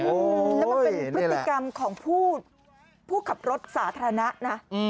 แล้วมันเป็นพฤติกรรมของผู้ขับรถสาธารณะนะ